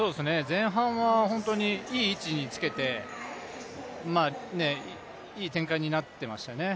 前半はいい位置につけていい展開になってましたね。